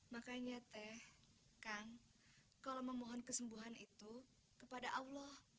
makanya teh kang kalau memohon kesembuhan itu kepada allah